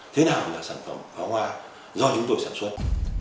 thế nào là sản phẩm pháo hoa do chúng tôi sản xuất